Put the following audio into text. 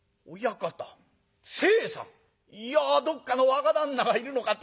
いやどっかの若旦那がいるのかと思った。